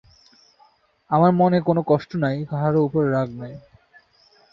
আমার মনে কোনো কষ্ট নাই, কাহারো উপরে রাগ নাই।